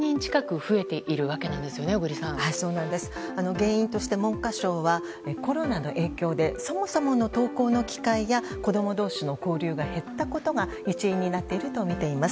原因として文科省はコロナの影響でそもそもの登校の機会や子供同士の交流が減ったことが一因になっているとみています。